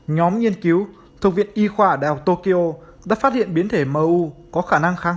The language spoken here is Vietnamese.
nhóm nghiên cứu thuộc viện y khoa đại học tokyo đã phát hiện biến thể mu có khả năng kháng